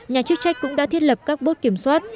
nhà chức trách cũng đã thiết lập các bốt kiểm soát